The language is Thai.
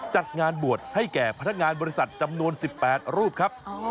จัดงานบวชให้แก่พนักงานบริษัทจำนวน๑๘รูปครับ